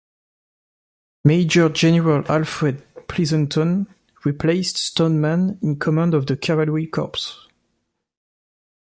Major General Alfred Pleasonton replaced Stoneman in command of the Cavalry Corps.